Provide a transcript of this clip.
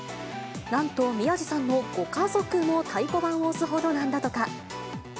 なんと宮治さんのご家族も太鼓判を押すほどなんだとか。